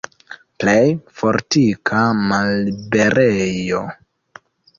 Plej fortika malliberejo!